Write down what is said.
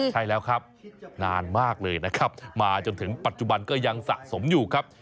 ใช่แล้วครับนานมากเลยนะครับมาจนถึงปัจจุบันก็ยังสะสมอยู่ครับ